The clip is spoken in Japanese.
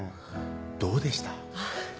どうでした？